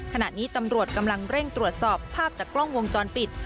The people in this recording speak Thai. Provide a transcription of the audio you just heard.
ขณะนี้ตำรวจกำลังเร่งตรวจสอบภาพจากกล้องวงจรปิด